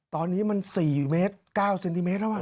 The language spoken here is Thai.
ตอนนี้มัน๔เมตร๙เซนติเมตรแล้ว